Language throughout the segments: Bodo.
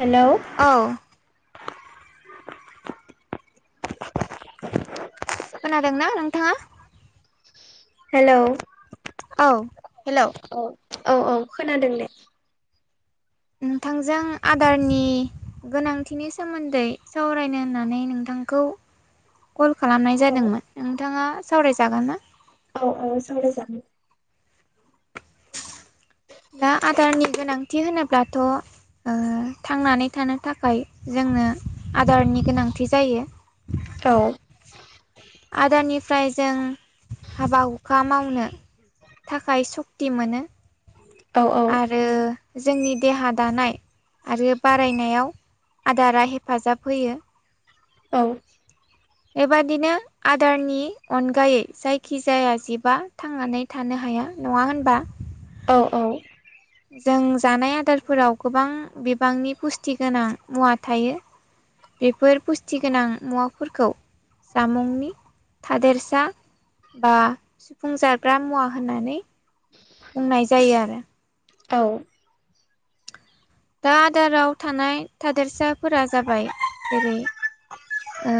हेलौ [inaudible] औ खोनादोंना नोंथाङा? हेलौ औ हेलौ औ औ औ खोनादों दे नोंथांजों आदारनि गोनांथिनि सोमोन्दै सावरायनो होननानै नोंथां नोंथांखौ कल खालामनाय औ जादोंमोन नोंथाङा सावरायजागोन ना? औ औ सावराय जागोन दा आदारनि गोनांथि होनोब्लाथ' ओ थांनानै थानो थाखाय जोंनो आदारनि गोनांथि जायो औ आदारनि फ्राय जों हाबा हुखा मावनो थाखाय सक्ति मोनो औ औ आरो जोंनि देहा दानाय आरो बारायनायाव आदारा हेफाजाब होयो औ बेबादिनो आदारनि अनगायै जायखिजाया जिबा थांनानै थानो हा -या नङा होनबा औ औ जों जानाय आदारफोराव गोबां बिबांनि पुस्टि गोनां मुवा थायो बेफोर पुस्टिगोनां मुवाफोरखौ जामुंनि थादेरसा बा सुफुं जाग्रा मुवा होननानै बुंनाय जायो आरो औ दा आदाराव थानाय थादेरसाफोरा जाबाय जेरै ओ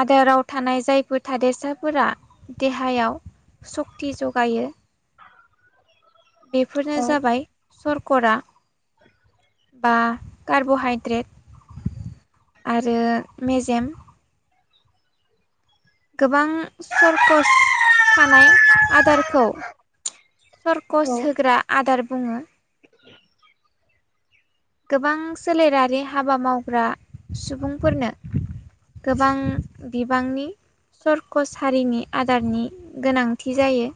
आदाराव थानाय जायफोर थादेरसाफोरा देहायाव सक्ति जगायो बेफोरनो औ जाबाय सरकरा [inaudible] बा कार्बहाइद्रेट आरो मेजेम गोबां सरकस थानाय आदारखौ सर्कस औ होग्रा आदार बुङो गोबां सोलेरारि हाबा मावग्रा सुबुंफोरनो गोबां बिबांनि सर्कस हारिनि आदारनि गोनांथि जायो।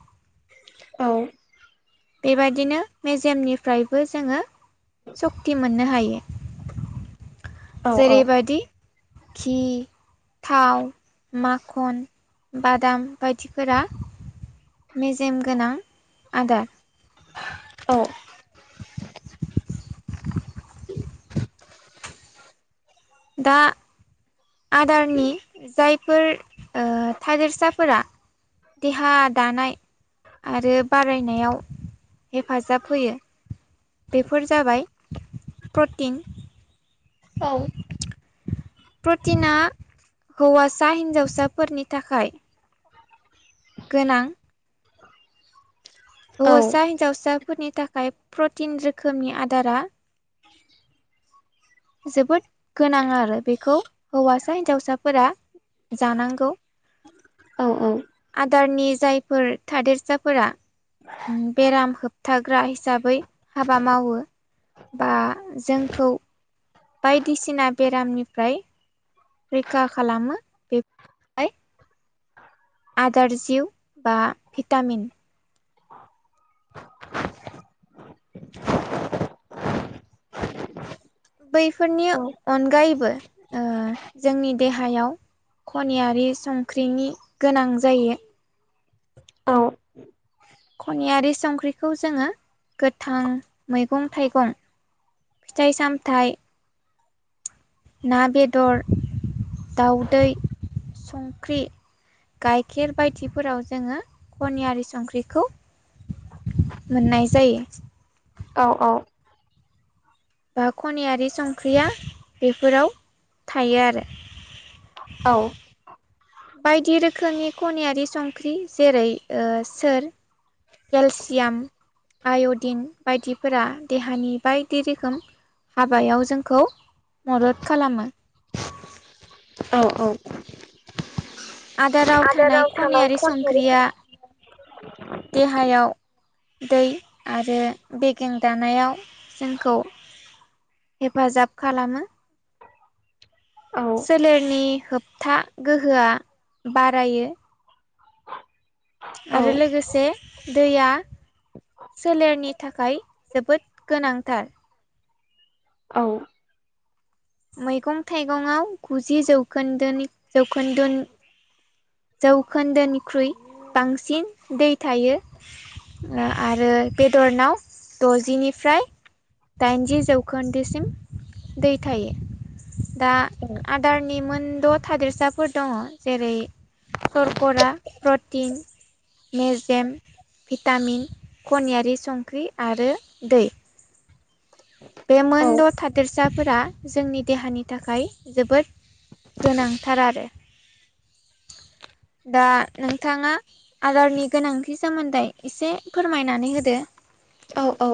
औ बेबादिनो मेजेमनिफ्रायबो जोङो सक्ति मोननो हायो। औ जेरैबायदि घि थाव माखन बादाम बायदिफोरा मेजेम गोनां आदार औ दा आदारनि जायफोर ओ थादेरसाफोरा देहा दानाय आरो बारायनायाव हेफाजाब होयो। बेफोर जाबाय प्रटिन औ प्रटिना हौवासा हिन्जावसाफोरनि थाखाय गोनां हौवासा हिन्जावसाफोरनि थाखाय प्रटिन रोखोमनि आदारा जोबोद गोनां आरो बेखौ हौवासा हिनजावसाफोरा जानांगौ औ आदारनि जायफोर थादेरसाफोरा बेराम होबथाग्रा हिसाबै हाबा मावो। बा जोंखौ बायदिसिना बेरामनिफ्राय रैखा खालामो बेहाय आदार जिउ बा भिटामिन बैफोरनि अनगायैबो ओ जोंनि देहायाव खनियारि संख्रिनि गोनां जायो। [inaudible] खनियारि संख्रिखौ जोङो गोथां मैगं थाइगं फिथाइ सामथाइ ना बेदर दाउदै संख्रि गाइखेर बायदिफोराव जोङो खनियारि संख्रिखौ मोननाय जायो। औ औ बा खनियारि संख्रिया बेफोराव थायो आरो औ बायदि रोखोमनि खनायारि संख्रि जेरै ओ सोर केेलसियाम आय'दिन बायदिफोरा देहानि बायदि रोखोम हाबायाव जोंखौ मदद खालामो औ औ आदाराव थानाय खनायारि संख्रिया देहायाव दै आरो बेगें दानायाव जोंखौ हेफाजाब खालामो। सोलेरनि होबथा गोहोआ बारायो। औ आरो लोगोसे दैया सोलेरनि थाखाय जोबोद गोनांथार। औ मैगं थाइगंआव गुजि जौखोन्दोनि जौखोन्दो जौखोन्दोनिख्रुइ बांसिन दै थायो। आरो बेदरनाव द'जिनिफ्राय दाइनजि जौखोन्दोसिम दै थायो दा आदारनि मोनद' थादेरसाफोर दङ जेरै सरकरा प्रतिन मेजेम भिटामिन खनियारि संख्रि आरो दै बे औ मोनद' थादेरसाफोरा जोंनि देहानि थाखाय जोबोद गोनांथार आरो दा नोंथाङा आदारनि गोनांथि सोमोन्दै एसे फोरमायनानै होदो औ औ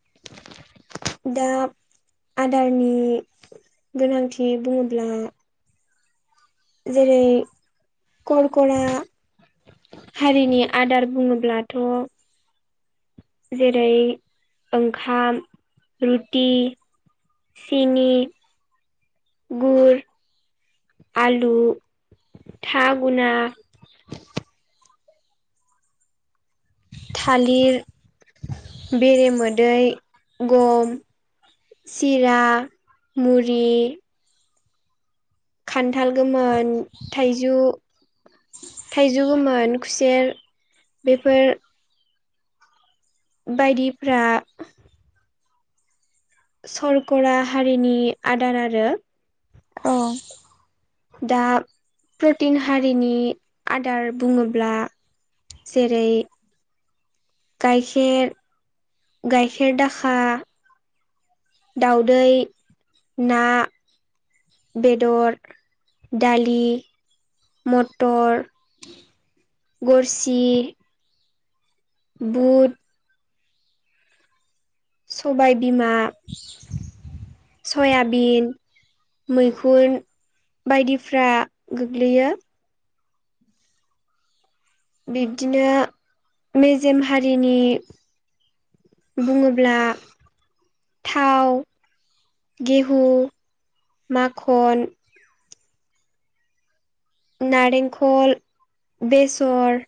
[inaudible] दा आदारनि गोनांथि बुङोब्ला जेरै करकरा हारिनि आदार बुङोब्लाथ' जेरै ओंखाम रुटि सिनि गुर आलु थागुना थालिर बेरेमोदै गम चिरा मुरि खान्थाल गोमोन थाइजु थाइजु गोमोन खुसेर बेफोर बायदिफ्रा सरकरा हारिनि आदार आरो औ दा प्रटिन हारिनि आदार बुङोब्ला जेरै गाइखेर गाइखेर दाखा दाउदै ना बेदर दालि मटर गरसि बुट सबाय बिमा सयाबिन मैखुन बायदिफ्रा गोग्लैयो बिब्दिनो मेजेम हारिनि बुङोब्ला थाव गेहु माखन नारेंखल बेसर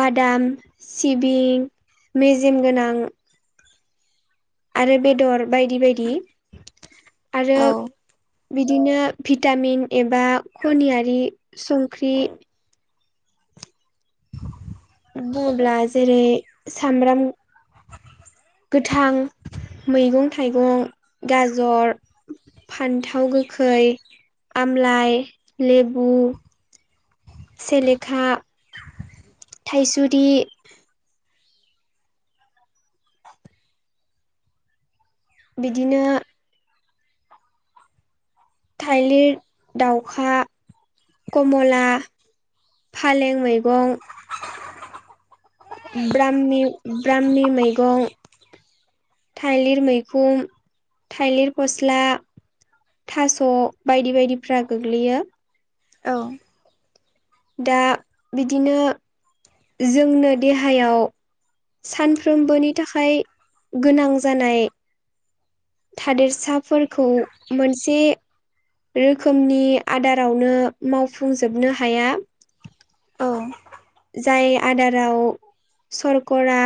बादाम सिबिं मेजेम गोनां आरो बेदर बायदि बायदि आरो औ बिदिनो भिटामिन एबा खनियारि सुंख्रि बुङोब्ला जेरै सामब्राम गोथां मैगं थाइगं गाजर फान्थाव गोखै आमलाइ लेबु सेेलेखा थाइसुरि बिदिनो थाइलिर दाउखा कमला फालें मैगं ब्रामि ब्रामि मैगं थाइलिर मैखुम थाइलिर फस्ला थास' बायदि बायदिफ्रा गोग्लैयो औ दा बिदिनो जोंनो देहायाव सानफ्रोमबोनि थाखाय गोनां जानाय थादेरसाफोरखौ मोनसे रोखोमनि आदारावनो मावफुंजोबनो हाया औ जाय आदाराव सरकरा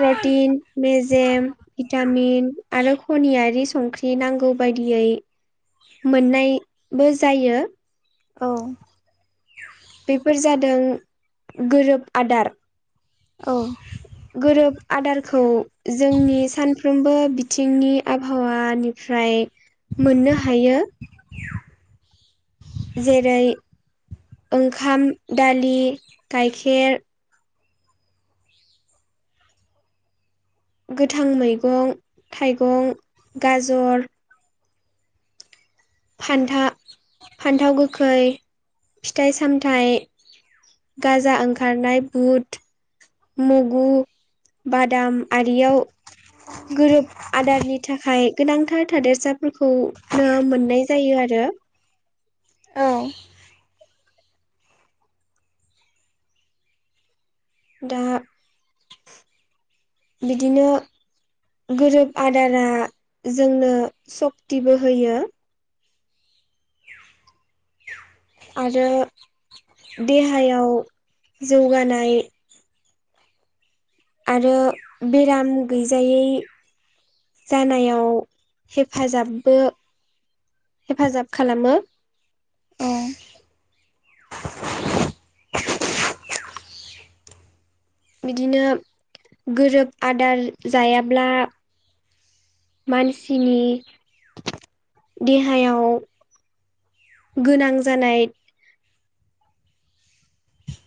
प्रटिन मेजेम भिटामिन आरो खनियारि संख्रि नांगौ बायदियै मोननायबो जायो औ बेफोर जादों गोरोब आदार औ गोरोब आदारखौ जोंनि सानफ्रोमबो बिथिंनि आबहावानि फ्राय मोननो हायो जेरै ओंखाम, दालि, गाइखेर गोथां मैगं थाइगं गाजर फान्था फान्थाव गोखै फिथाइ सामथाइ गाजा ओंखारनाय बुट मुगु बादाम आरियाव गोरोब आदारनि थाखाय गोनांथार थादेरसाफोरखौनो मोननाय जायो आरो [unintelligible] औ दा बिदिनो गोरोब आदारा जोंनो सक्तिबो होयो आरो देहायाव जौगानाय आरो बेराम गैजायै जानायाव हेफाजाबबो हेफाजाब खालामो औ बिदिनो गोरोब आदार जायाब्ला मानसिनि देहायाव गोनां जानाय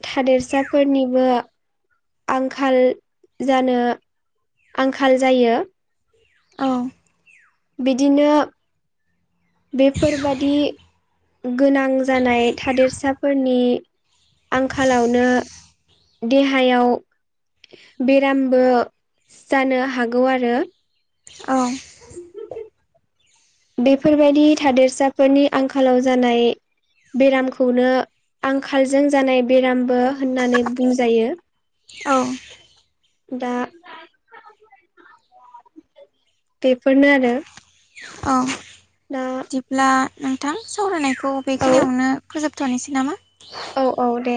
थादेरसाफोरनिबो आंखाल जानो आंखाल जायो औ बिदिनो बेफोरबादि गोनां जानाय थादेरसाफोरनि आंखालावनो देहायाव बेरामबो जानो हागौ आरो औ बेफोरबायदि थादेरसाफोरनि आंखालाव जानाय बेरामखौनो आंखालजों जानाय बेरामबो होननानै बुंजायो औ दा बेफोरनो आरो औ दा बिदिब्ला नोंथां सावरायनायखौ औ बेखिनियावनो फोजोबथ'नोसै नामा औ औ दे